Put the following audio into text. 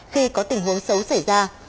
khi có tình huống xấu xảy ra